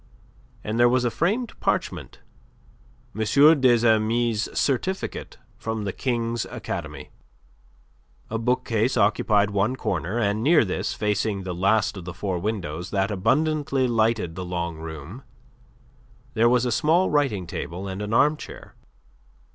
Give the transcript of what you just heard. And there was a framed parchment M. des Amis' certificate from the King's Academy. A bookcase occupied one corner, and near this, facing the last of the four windows that abundantly lighted the long room, there was a small writing table and an armchair.